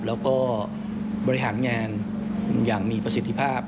แล้วก็บริหารงานอย่างมีประสิทธิภาพ